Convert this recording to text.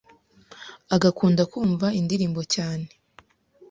agakunda kumva indirimbo cyane